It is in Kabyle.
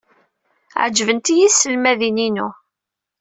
Ɛejbent-iyi tselmadin-inu.